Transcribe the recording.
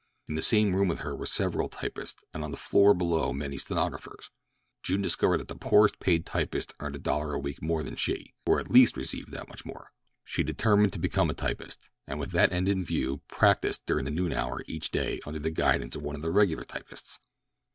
In the same room with her were several typists and on the floor below many stenographers. June discovered that the poorest paid typist earned a dollar a week more than she—or at least received that much more. She determined to become a typist, and with that end in view practised during the noon hour each day under the guidance of one of the regular typists.